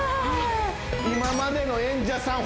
今までの演者さん